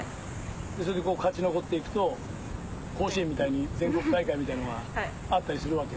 それで勝ち残っていくと甲子園みたいに全国大会みたいなのがあったりするわけ？